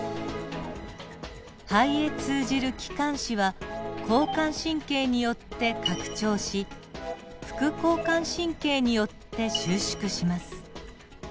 肺へ通じる気管支は交感神経によって拡張し副交感神経によって収縮します。